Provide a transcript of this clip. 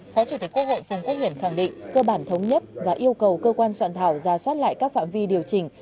phó chủ tịch quốc hội phùng quốc hiển khẳng định cơ bản thống nhất và yêu cầu cơ quan soạn thảo ra soát lại các phạm vi điều chỉnh